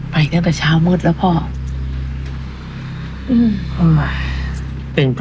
ไปแค่สักเช้าเม็ดแล้วพ่อ